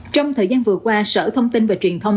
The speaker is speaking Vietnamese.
trong thời gian vừa qua sở thông tin và truyền thông